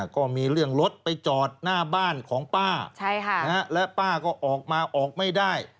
ก็มีเรื่องรถไปจอดหน้าบ้านของป้าและป้าก็ออกมาออกไม่ได้